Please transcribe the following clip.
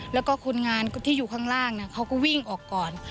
แล้วก็คนงานที่อยู่ข้างล่างเขาก็วิ่งออกก่อน